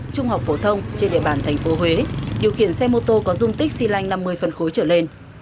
trung học phổ thông trên địa bàn tp huế điều khiển xe mô tô có dung tích xy lanh năm mươi phân khối trở lên